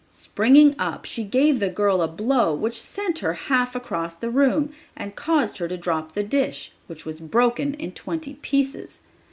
Springing up, she gave the girl a blow which sent her half across the room and caused her to drop the dish, which was broken in twenty pieces.